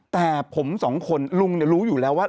แต่ผมสองคนลุงรู้อยู่แล้วว่า